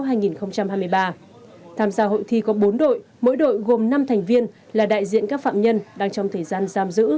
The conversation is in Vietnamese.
tham gia hội thi có bốn đội mỗi đội gồm năm thành viên là đại diện các phạm nhân đang trong thời gian giam giữ